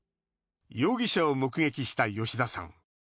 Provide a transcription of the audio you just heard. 容疑者を目撃した吉田さん。